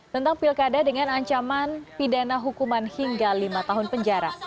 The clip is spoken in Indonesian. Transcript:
tentang pilkada dengan ancaman pidana hukuman hingga lima tahun penjara